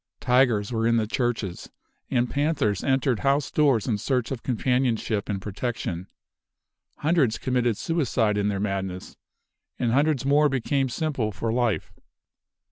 Tigers were in the churches, and panthers entered house doors in search of companionship and protection. Hundreds committed suicide in their madness, and hundreds more became simple for life.